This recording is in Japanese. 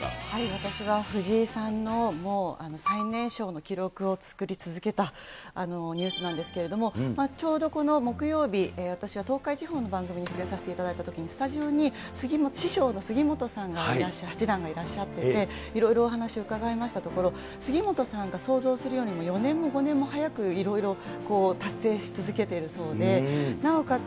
私は藤井さんのもう最年少の記録を作り続けたニュースなんですけれども、ちょうどこの木曜日、私は東海地方の番組に出演させていただいたときに、スタジオに、師匠のすぎもとさんがいらっしゃって、八段がいらっしゃってて、いろいろお話を伺いましたところ、杉本さんが想像するようにもう４年も５年も早く、いろいろ達成し続けているそうで、なおかつ